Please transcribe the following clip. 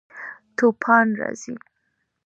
توپان راځي